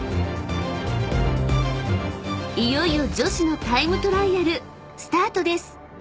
［いよいよ女子のタイムトライアルスタートです］